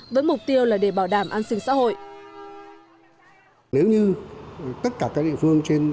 với mục tiêu là để bảo đảm an sinh xã hội